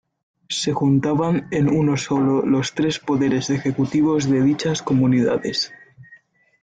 Se juntaban en uno sólo los tres poderes ejecutivos de dichas comunidades.